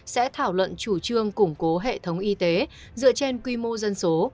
sẽ thảo luận chủ trương củng cố hệ thống y tế dựa trên quy mô dân số